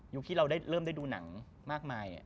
ยุคที่เราเริ่มได้ดูหนังมากมาย